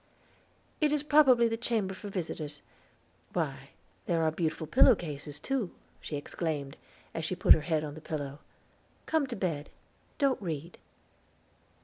"It is probably the chamber for visitors. Why, these are beautiful pillow cases, too," she exclaimed, as she put her head on the pillow. "Come to bed; don't read."